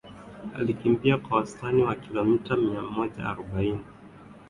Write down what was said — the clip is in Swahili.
Alikimbia kwa wastani wa kilomita mia moja arobaini alifika saa nane na nusu usiku